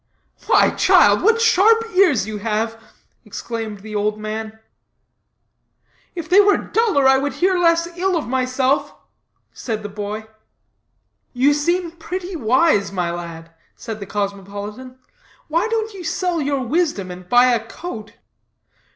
"Why, child, what sharp ears you have!" exclaimed the old man. "If they were duller, I would hear less ill of myself," said the boy. "You seem pretty wise, my lad," said the cosmopolitan; "why don't you sell your wisdom, and buy a coat?"